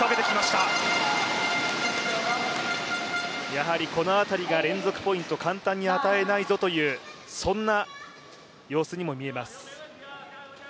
やはりこの辺りが連続ポイントを簡単に与えないぞと、そんな様子にも見えます。